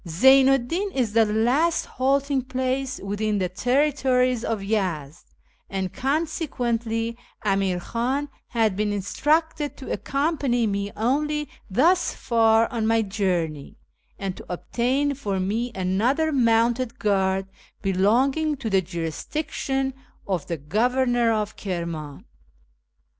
Zeynu 'd Di'n is the last halting place within tlie terri tories of Yezd, and consequently Amir KIklu had been instructed to accompany me only thus far on my journey, and to obtain for me another mounted guard belonging to the jurisdiction of the Governor of Kirman.